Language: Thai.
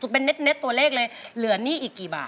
เป็นเน็ตตัวเลขเลยเหลือหนี้อีกกี่บาท